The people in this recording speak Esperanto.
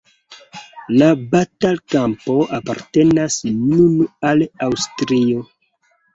La batalkampo apartenas nun al Aŭstrio.